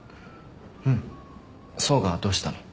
うん想がどうしたの？